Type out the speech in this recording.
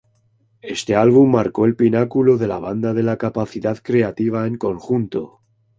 Este álbum marcó el pináculo de la banda de la capacidad creativa en conjunto.